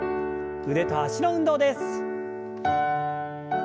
腕と脚の運動です。